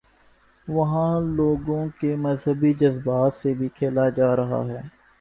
وہاں لوگوں کے مذہبی جذبات سے بھی کھیلاجا رہا ہے۔